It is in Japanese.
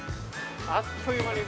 あっという間に。